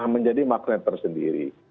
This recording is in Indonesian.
menjadi magnet tersendiri